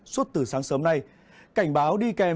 suốt từ sáng sớm nay cảnh báo đi kèm